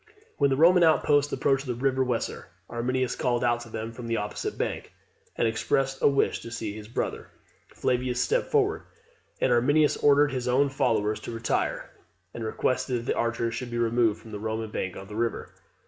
When the Roman outposts approached the river Weser, Arminius called out to them from the opposite bank, and expressed a wish to see his brother. Flavius stepped forward, and Arminius ordered his own followers to retire, and requested that the archers should be removed from the Roman bank of the river.